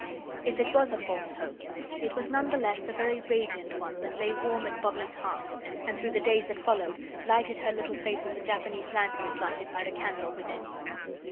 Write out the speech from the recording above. If it was a false hope, it was none the less a very radiant one that lay warm at Bobbie's heart, and through the days that followed lighted her little face as a Japanese lantern is lighted by the candle within.